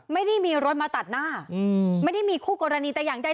ไม่ได้มีรถมาตัดหน้าไม่ได้มีคู่กรณีแต่อย่างใด